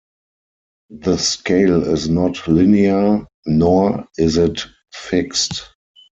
The scale is not linear, nor is it fixed.